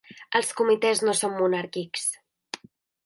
Els Comitès no som monàrquics.